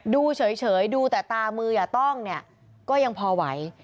ดูเฉยดูแต่ตามืออย่าต้องเนี่ยก็ยังพอไหว